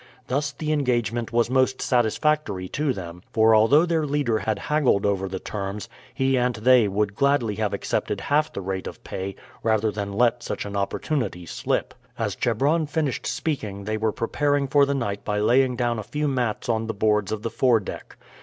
Thus the engagement was most satisfactory to them, for although their leader had haggled over the terms, he and they would gladly have accepted half the rate of pay rather than let such an opportunity slip. As Chebron finished speaking they were preparing for the night by laying down a few mats on the boards of the fore deck.